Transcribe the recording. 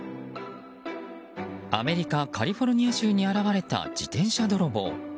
アメリカ・カリフォルニア州に現れた、自転車泥棒。